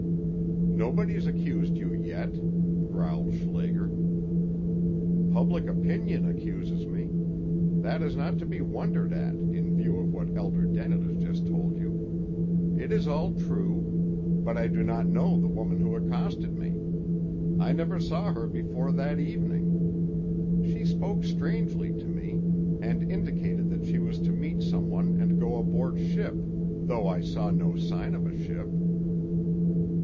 "Nobody's accused you yet," growled Schlager. "Public opinion accuses me. That is not to be wondered at, in view of what Elder Dennett has just told you. It is all true. But I do not know the woman who accosted me. I never saw her before that evening. She spoke strangely to me, and indicated that she was to meet some one and go aboard ship, though I saw no sign of a ship."